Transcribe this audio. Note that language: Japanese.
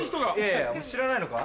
いやいや知らないのか？